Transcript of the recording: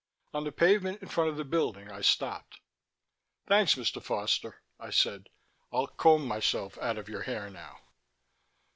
On the pavement in front of the building I stopped. "Thanks, Mr. Foster," I said. "I'll comb myself out of your hair now."